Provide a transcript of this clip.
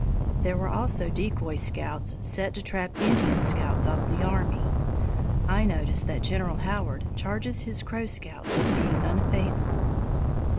There were also decoy scouts set to trap Indian scouts of the army. I notice that General Howard charges his Crow scouts with being unfaithful.